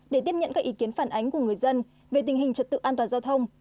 để tiếp nhận các ý kiến phản ánh của người dân về tình hình trật tự an toàn giao thông